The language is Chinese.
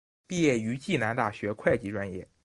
毕业于暨南大学会计专业。